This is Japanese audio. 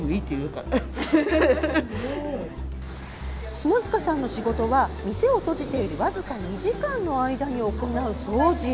篠塚さんの仕事は店を閉じている僅か２時間の間に行う掃除。